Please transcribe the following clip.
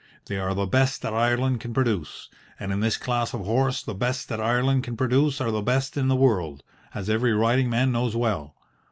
They are the best that Ireland can produce, and in this class of horse the best that Ireland can produce are the best in the world, as every riding man knows well.